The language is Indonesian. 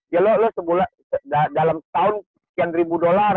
ya lo dalam setahun sekian ribu dollar